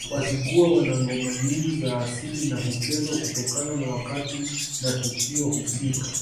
Wazigua wana ngoma nyingi za asili na huchezwa kutokana na wakati na tukio husika